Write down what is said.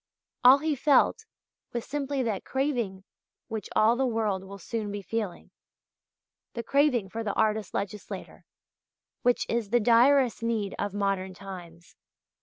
All he felt was simply that craving which all the world will soon be feeling the craving for the artist legislator, which is the direst need of modern times.